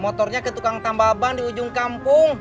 motornya ke tukang tambal ban di ujung kampung